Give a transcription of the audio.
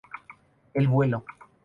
El vuelo.